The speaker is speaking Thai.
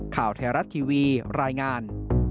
ข่าวไทยรัฐทีวีรายงาน